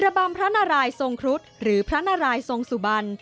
ระบำภรรายทรงครุฑหรือภรรายทรงสุบัญ